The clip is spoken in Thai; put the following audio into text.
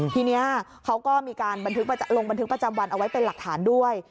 ทีนี้เขาก็มีการลงบันทึกประจำวันเอาไว้เป็นหลักฐานด้วย